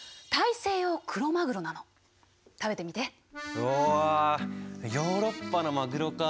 うわヨーロッパのマグロかあ。